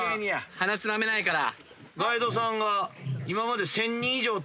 鼻つまめないから。